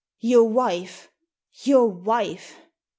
"Your wife! Your wife!"